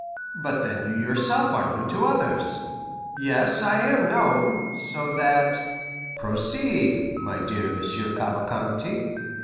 "But then you yourself are known to others?" "Yes, I am known, so that——" "Proceed, my dear Monsieur Cavalcanti."